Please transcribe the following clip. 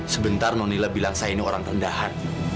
sebentar nonila bilang saya ini orang rendahan